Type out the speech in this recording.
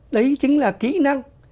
đấy chính là kỹ năng